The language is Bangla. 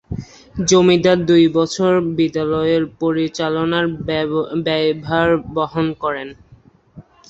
জমিদার দুই বছর বিদ্যালয়ের পরিচালনার ব্যয়ভার বহন করেন।